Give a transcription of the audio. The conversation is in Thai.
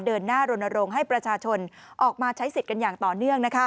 เดินหน้ารณรงค์ให้ประชาชนออกมาใช้สิทธิ์กันอย่างต่อเนื่อง